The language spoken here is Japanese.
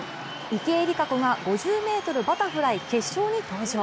池江璃花子が５０ｍバタフライ決勝に登場。